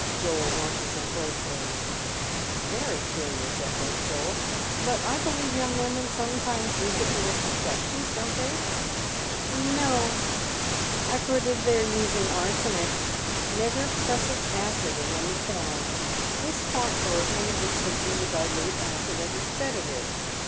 Joel watches him closely. "Very curious," echoes Joel, "but I believe young women sometimes use it for their complexions, don't they ?"_" No. I've heard of their using arsenic, never prussic acid in any form. Miss Faunthorpe may have been taking the dilute licid as a sedative.